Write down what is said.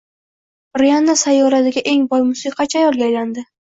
Rianna sayyoradagi eng boy musiqachi ayolga aylandi